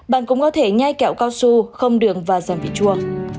bạn cũng có thể nhai kẹo cao su không đường và giảm vị chua